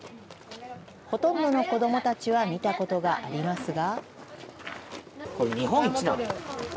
ほとんどの子どもたちは見たことがありますが。